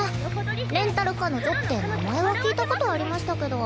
レンタル彼女って名前は聞いたことありましたけど